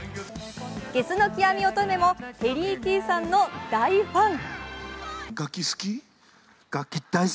ゲスの極み乙女もペリー・キーさんの大ファン。